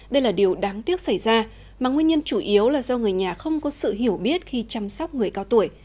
đây là điều đáng tiếc xảy ra mà nguyên nhân chủ yếu là do người nhà không có sự hiểu biết khi chăm sóc người cao tuổi